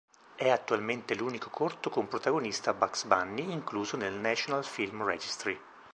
È attualmente l'unico corto con protagonista Bugs Bunny incluso nel National Film Registry.